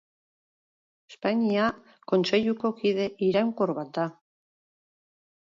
Espainia Kontseiluko kide iraunkor bat da.